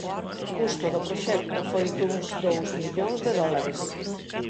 O custo do proxecto foi duns dous millóns de dólares.